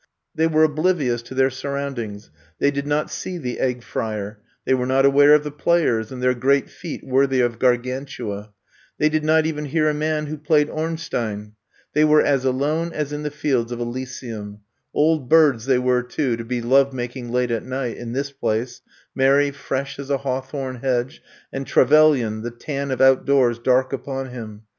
They were oblivi ous to their surroundings, they did not see the Egg Frier, they were not aware of the players and their great feat worthy of Gar gantua ; they did not even hear a man who played Ornstein. They were as alone as in the fields of Elysium. Old birds, they were, too, to be love making late at night, in this place — Mary, fresh as a hawthorne hedge and Trevelyan, the tan of out doors dark upon him.